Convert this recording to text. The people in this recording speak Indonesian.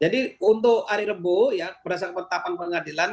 jadi untuk hari rabu ya berdasarkan penetapan pengadilan